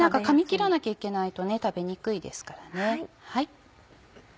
かみ切らなきゃいけないと食べにくいですからね。